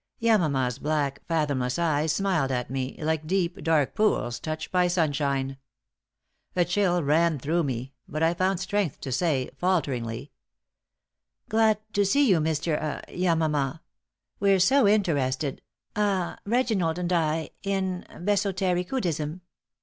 Yamama's black, fathomless eyes smiled at me, like deep, dark pools touched by sunshine. A chill ran through me, but I found strength to say, falteringly: "Glad to see you, Mr. ah Yamama. We're so interested ah Reginald and I in Bhesotericuddhism!